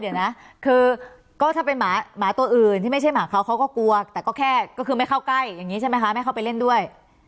เดี๋ยวนะคือก็ถ้าเป็นหมาตัวอื่นที่ไม่ใช่หมาเขาเขาก็กลัวแต่ก็แค่ก็คือไม่เข้าใกล้อย่างนี้ใช่ไหมคะไม่เข้าไปเล่นด้วย